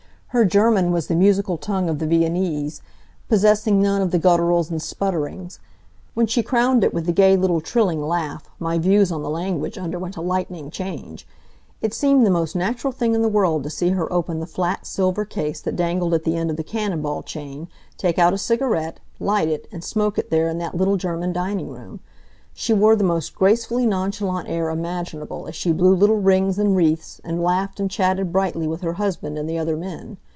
Her German was the musical tongue of the Viennese, possessing none of the gutturals and sputterings. When she crowned it with the gay little trilling laugh my views on the language underwent a lightning change. It seemed the most natural thing in the world to see her open the flat, silver case that dangled at the end of the cannon ball chain, take out a cigarette, light it, and smoke it there in that little German dining room. She wore the most gracefully nonchalant air imaginable as she blew little rings and wreaths, and laughed and chatted brightly with her husband and the other men.